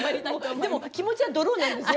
でも気持ちはドローなんですよ。